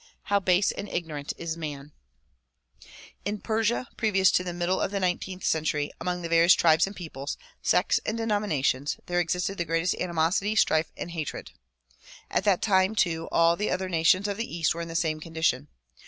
How base and ignorant is man ! In Persia previous to the middle of the nineteenth century, among the various tribes and peoples, sects and denominations there existed the greatest animosity, strife and hatred. At that time too all the other nations of the east were in the same condition.